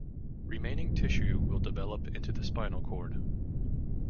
Remaining tissue will develop into the spinal cord.